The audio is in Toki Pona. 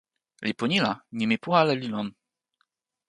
lipu ni la, nimi pu ale li lon.